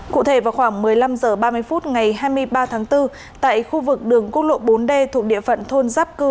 cụ thể vào khoảng một mươi năm h ba mươi phút ngày hai mươi ba tháng bốn tại khu vực đường quốc lộ bốn d thuộc địa phận thôn giáp cư